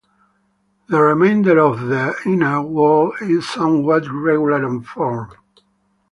The remainder of the inner wall is somewhat irregular in form.